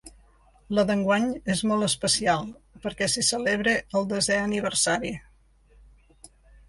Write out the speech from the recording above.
La d’enguany és molt especial perquè s’hi celebra el desè aniversari.